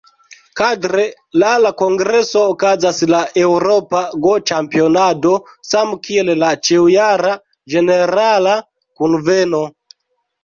Kadre la la kongreso okazas la "Eŭropa Go-Ĉampionado", same kiel la ĉiujara Ĝenerala Kunveno.